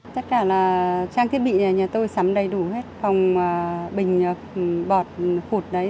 tất cả là trang thiết bị nhà tôi sắm đầy đủ hết phòng bình bọt hụt đấy